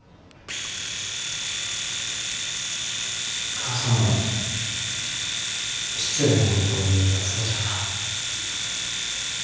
母さんが失礼なことを言うたそうじゃな。